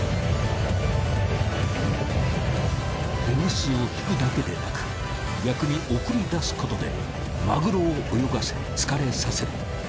テグスを引くだけでなく逆に送り出すことでマグロを泳がせ疲れさせる。